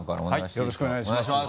よろしくお願いします。